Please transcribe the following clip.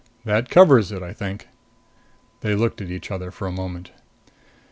That covers it, I think." They looked at each other for a moment.